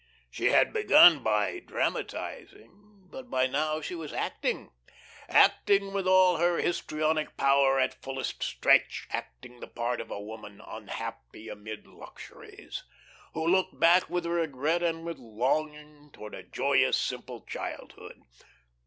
She had begun by dramatising, but by now she was acting acting with all her histrionic power at fullest stretch, acting the part of a woman unhappy amid luxuries, who looked back with regret and with longing towards a joyous, simple childhood.